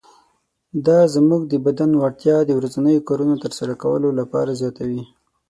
دا زموږ د بدن وړتیا د ورځنیو کارونو تر سره کولو لپاره زیاتوي.